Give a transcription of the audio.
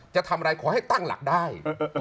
จะทำอะไรขอให้ตั้งหลักได้